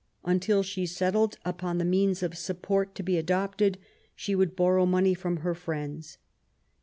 Until she settled upon the means of support to be adopted^ she would borrow money from her friends.